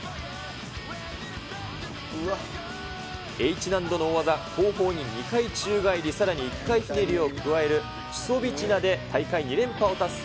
Ｈ難度の大技、後方に２回宙返り、さらに１回ひねりを加えるチュソビチナで大会２連覇を達成。